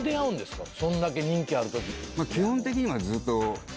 そんだけ人気ある時。